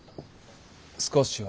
少しは。